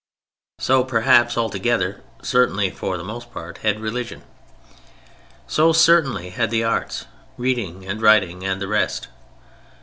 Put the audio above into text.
So, perhaps altogether, certainly for the most part had religion. So certainly had the arts—reading and writing and the rest.